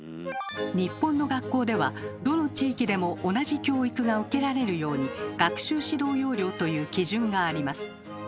日本の学校ではどの地域でも同じ教育が受けられるように「学習指導要領」という基準があります。